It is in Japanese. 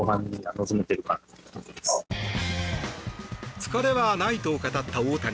疲れはないと語った大谷。